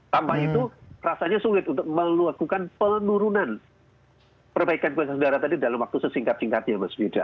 tanpa itu rasanya sulit untuk melakukan penurunan perbaikan kualitas udara tadi dalam waktu sesingkat singkatnya mas wida